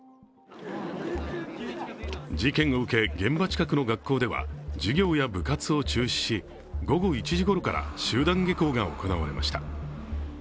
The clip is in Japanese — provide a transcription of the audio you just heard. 事件を受け、現場近くの学校では授業や部活を中止し午後１時ごろから集団下校が行われました。